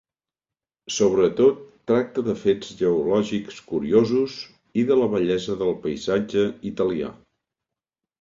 Sobretot tracta de fets geològics curiosos i de la bellesa del paisatge italià.